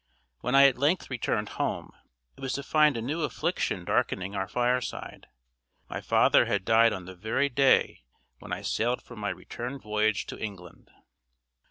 When I at length returned home, it was to find a new affliction darkening our fireside. My father had died on the very day when I sailed for my return voyage to England.